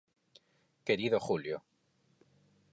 Querido Julio.